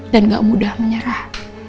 dan gak mudah menyerah